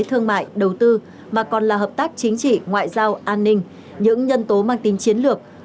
thương mại đầu tư mà còn là hợp tác chính trị ngoại giao an ninh những nhân tố mang tính chiến lược